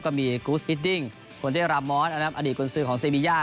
ก็มีกูธฮิดดิ่งควันเทศรมรสอนาคตอดีตกุญสือของเซรมียา